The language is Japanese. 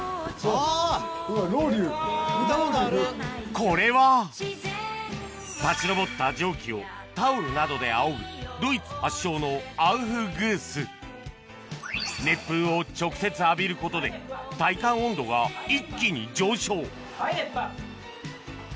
これは立ち上った蒸気をタオルなどであおぐドイツ発祥の熱風を直接浴びることで体感温度が一気に上昇はい熱波！